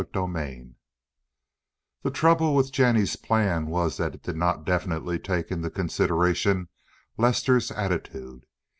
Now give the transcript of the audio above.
CHAPTER XXXVI The trouble with Jennie's plan was that it did not definitely take into consideration Lester's attitude.